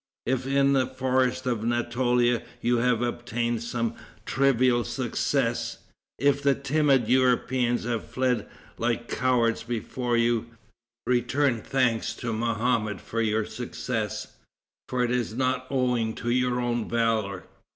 If in the forests of Natolia you have obtained some trivial successes; if the timid Europeans have fled like cowards before you, return thanks to Mohammed for your success, for it is not owing to your own valor.